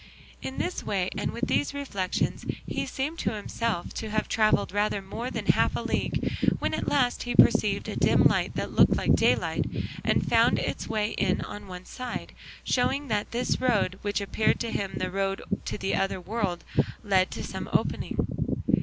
'" In this way and with these reflections he seemed to himself to have travelled rather more than half a league, when at last he perceived a dim light that looked like daylight and found its way in on one side, showing that this road, which appeared to him the road to the other world, led to some opening.